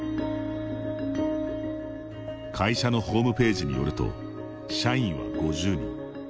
会社のホームページによると社員は５０人。